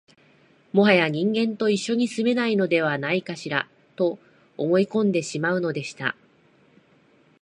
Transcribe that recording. もはや人間と一緒に住めないのではないかしら、と思い込んでしまうのでした